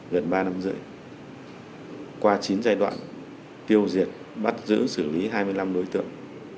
gần ba năm rưỡi qua chín giai đoạn tiêu diệt bắt giữ xử lý hai mươi năm đối tượng